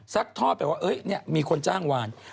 ซักทอดไปว่าเนี่ยมีคนจ้างวาน